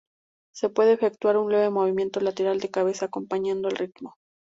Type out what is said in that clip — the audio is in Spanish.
Se puede efectuar un leve movimiento lateral de cabeza acompañando el ritmo.